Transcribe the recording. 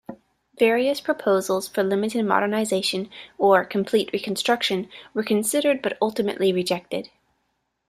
Various proposals for limited modernization or complete reconstruction were considered but ultimately rejected.